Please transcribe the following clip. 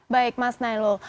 baik mas nailul